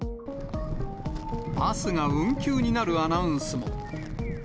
バスが運休になるアナウンスも。